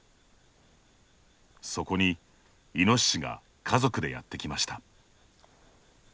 そこにイノシシが家族でやってきました。